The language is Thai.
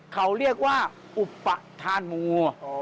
เขาเรียกว่าอุปทานโม